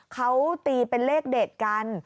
เขาตีเป็นเลขเด็ดกัน